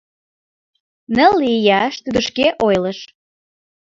— Нылле ияш, тудо шке ойлыш.